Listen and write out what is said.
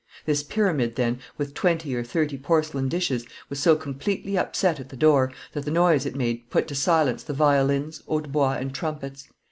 This pyramid, then, with twenty or thirty porcelain dishes, was so completely upset at the door, that the noise it made put to silence the violins, hautbois, and trumpets.